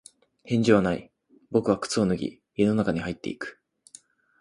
返事はない。僕は靴を脱ぎ、家の中に入っていく。